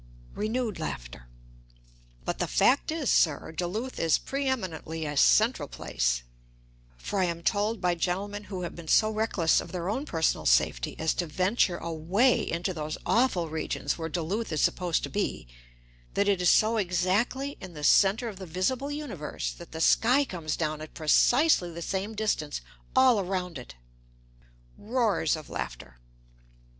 (Renewed laughter.) But the fact is, sir, Duluth is preeminently a central place, for I am told by gentlemen who have been so reckless of their own personal safety as to venture away into those awful regions where Duluth is supposed to be that it is so exactly in the centre of the visible universe that the sky comes down at precisely the same distance all around it. (Roars of laughter.)